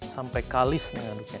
sampai kalis nih aduknya